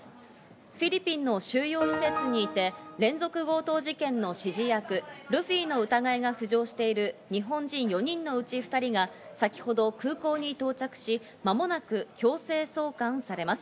フィリピンの収容施設にいて、連続強盗事件の指示役・ルフィの疑いが浮上している日本人４人のうち２人が先ほど空港に到着し、まもなく強制送還されます。